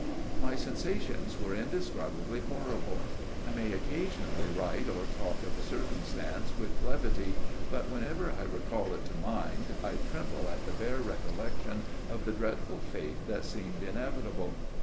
My sensations were indescribably horrible. I may occasionally write or talk of the circumstance with levity, but whenever I recall it to mind, I tremble at the bare recollection of the dreadful fate that seemed inevitable.